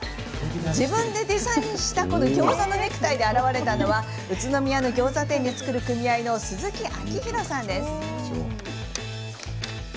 自分でデザインしたギョーザのネクタイで現れたのは宇都宮のギョーザ店で作る組合の鈴木章弘さん。